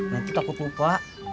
nanti takut lupa